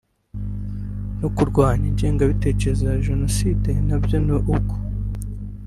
no kurwanya ingengabitekerezo ya jenoside na byo ni uko